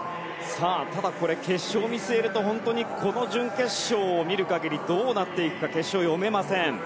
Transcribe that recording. ただ、決勝を見据えるとこの準決勝を見る限りどうなっていくか決勝、読めません。